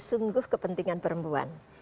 sungguh kepentingan perempuan